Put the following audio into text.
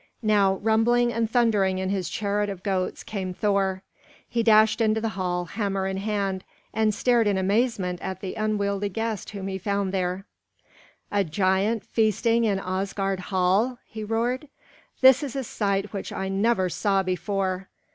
Now rumbling and thundering in his chariot of goats came Thor. He dashed into the hall, hammer in hand, and stared in amazement at the unwieldy guest whom he found there. "A giant feasting in Asgard hall!" he roared. "This is a sight which I never saw before.